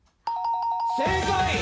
正解。